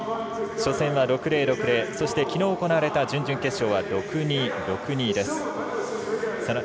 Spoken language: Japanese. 初戦は６−０、６−０きのう行われた準々決勝は６−２、６−２です。